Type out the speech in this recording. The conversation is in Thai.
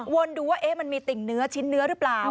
ดูว่ามันมีติ่งเนื้อชิ้นเนื้อหรือเปล่า